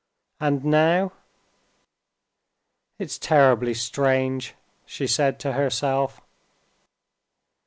And now? "It's terribly strange," she said to herself.